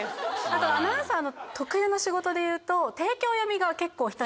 アナウンサーの特有の仕事でいうと。